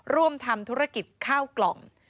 ร่วมทำธุรกิจข้าวกล่อง